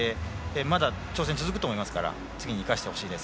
まだ挑戦、続くと思いますから次に生かしてほしいです。